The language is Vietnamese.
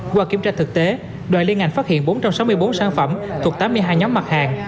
qua kiểm tra thực tế đoàn liên ngành phát hiện bốn trăm sáu mươi bốn sản phẩm thuộc tám mươi hai nhóm mặt hàng